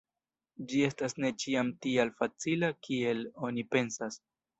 Ĝi estas ne ĉiam tial facila, kiel oni pensas.